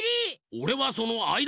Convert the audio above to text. おれはそのあいだ！